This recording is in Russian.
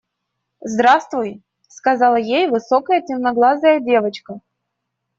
– Здравствуй, – сказала ей высокая темноглазая девочка.